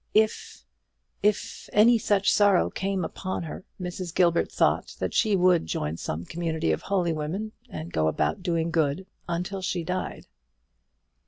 If if any such sorrow came upon her, Mrs. Gilbert thought that she would join some community of holy women, and go about doing good until she died.